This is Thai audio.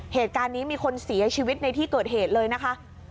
เหตุการณ์นี้มีคนเสียชีวิตในที่เกิดเหตุเลยนะคะ